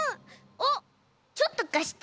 あっちょっとかして！